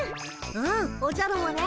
うんおじゃるもね。